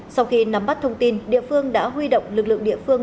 sau khi nắm bắt thông tin địa phương đã huy động lực lượng địa phương